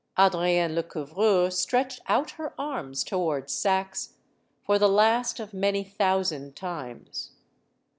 Adrienne Lecouvreur stretched out her arms toward Saxe, for the last of many thousand times.